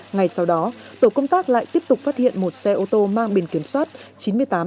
ngày sau đó tổ công tác lại tiếp tục phát hiện một xe ô tô mang biển kiểm soát chín mươi tám c hai mươi một nghìn bốn trăm ba mươi